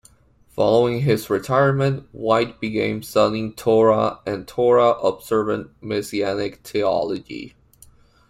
Following his retirement, White began studying "Torah" and" Torah"-observant Messianic theology.